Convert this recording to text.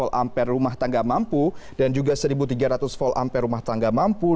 v ampere rumah tangga mampu dan juga satu tiga ratus v ampere rumah tangga mampu